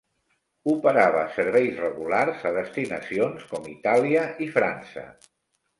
Operava serveis regulars a destinacions com Itàlia i França.